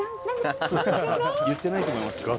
言ってないと思いますよ。